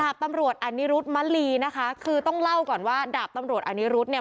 ตำรวจอนิรุธมลีนะคะคือต้องเล่าก่อนว่าดาบตำรวจอนิรุธเนี่ย